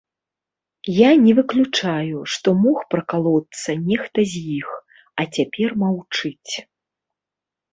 Я не выключаю, што мог пракалоцца нехта з іх, а цяпер маўчыць.